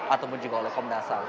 ataupun juga oleh komnasal